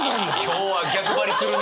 今日は逆張りするね！